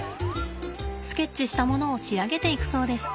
スケッチしたものを仕上げていくそうです。